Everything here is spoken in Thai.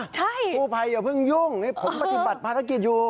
กู้ภัยอย่าเพิ่งยุ่งนี่ผมปฏิบัติภารกิจอยู่